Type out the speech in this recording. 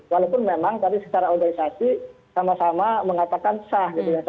walaupun memang tadi secara organisasi sama sama mengatakan sah